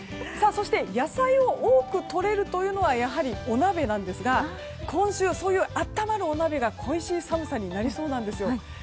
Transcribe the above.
そして、野菜を多くとれるというのはお鍋ですが今週、そういう温まるお鍋が恋しい寒さになりそうなんです。